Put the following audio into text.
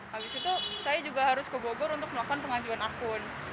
habis itu saya juga harus ke bogor untuk melakukan pengajuan akun